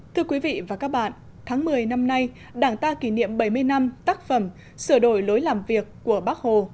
thưa quý vị và các bạn tháng một mươi năm nay đảng ta kỷ niệm bảy mươi năm tác phẩm sửa đổi lối làm việc của bác hồ